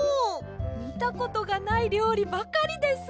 みたことがないりょうりばかりです。